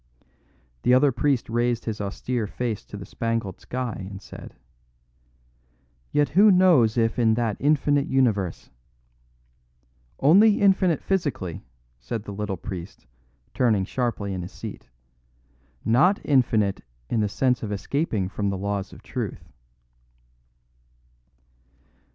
The other priest raised his austere face to the spangled sky and said: "Yet who knows if in that infinite universe ?" "Only infinite physically," said the little priest, turning sharply in his seat, "not infinite in the sense of escaping from the laws of truth."